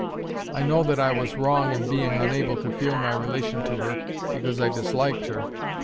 I know I was wrong in being unable to feel my relation to her because I disliked her.